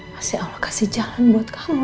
masih allah kasih jalan buat kamu noh ya